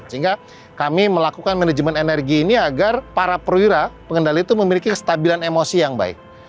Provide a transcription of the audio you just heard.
sehingga kami melakukan manajemen energi ini agar para perwira pengendali itu memiliki kestabilan emosi yang baik